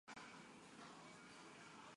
后来却有一后时间未能入选国家队。